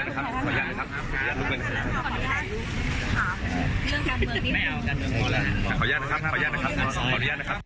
ขออนุญาตนะครับขออนุญาตนะครับ